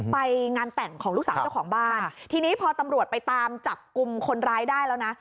ไปงานแต่งของลูกสาวเจ้าของบ้านทีนี้พอตำรวจไปตามจับกลุ่มคนร้ายได้แล้วนะ